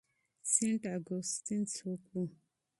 سینټ اګوستین څوک و؟